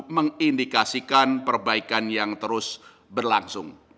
mengindikasikan perbaikan yang terus berlangsung